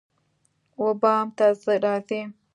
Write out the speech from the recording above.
وبام ته راځی